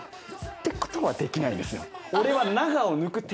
ってことはできないんですよ。